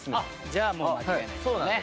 じゃあもう間違いないですね